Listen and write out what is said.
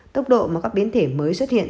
tốc độ mà các biến thể mới xuất hiện